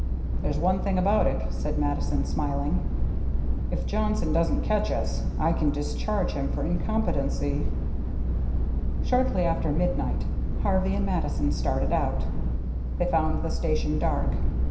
"There's one thing about it," said Mattison, smiling. "If Johnson doesn't catch us, I can discharge him for incompetency." Shortly after midnight Harvey and Mattison started out. They found the station dark.